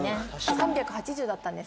３８０だったんです